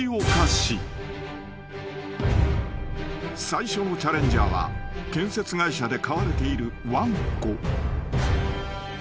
［最初のチャレンジャーは建設会社で飼われているわんこ］